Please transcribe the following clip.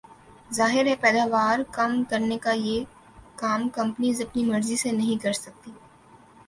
ظاہر ہے پیداوار کم کرنے کا کام یہ کمپنیز اپنی مرضی سے نہیں کر سکتیں